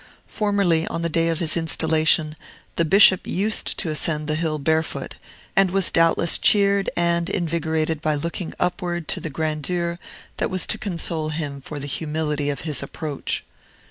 Formerly, on the day of his installation, the Bishop used to ascend the hill barefoot, and was doubtless cheered and invigorated by looking upward to the grandeur that was to console him for the humility of his approach.